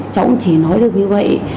cháu cũng chỉ nói được như vậy